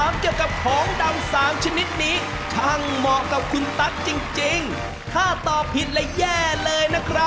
ไม่มีตังค์ก็ไม่มีด้วยเรา